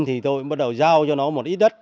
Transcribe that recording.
thì tôi bắt đầu giao cho nó một ít đất